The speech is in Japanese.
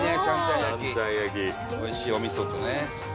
おいしいお味噌とね。